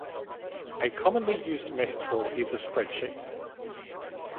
A commonly used metaphor is a spreadsheet.